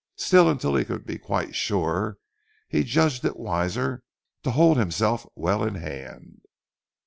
Still until he could be quite sure he judged it wiser to hold himself well in hand.